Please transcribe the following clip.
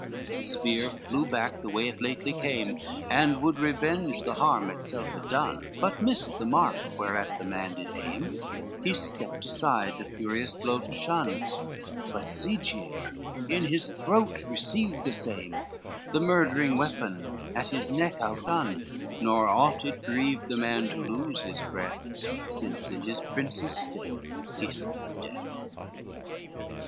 LXXX The spear flew back the way it lately came, And would revenge the harm itself had done, But missed the mark whereat the man did aim, He stepped aside the furious blow to shun: But Sigiere in his throat received the same, The murdering weapon at his neck out run, Nor aught it grieved the man to lose his breath, Since in his prince's stead he suffered death.